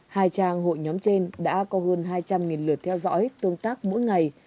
hai trang hội nhóm trên đã có hơn hai trăm linh lượt theo dõi tương tác mỗi ngày